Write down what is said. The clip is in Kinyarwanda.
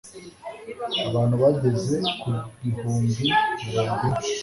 abantu bageze ku bihumbi mirongo ine